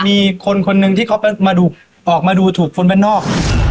มีคนคนหนึ่งที่เขามาดูออกมาดูถูกคนบ้านนอก